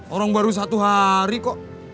orang baru satu hari kok